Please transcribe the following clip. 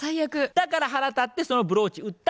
「だから腹立ってそのブローチ売った」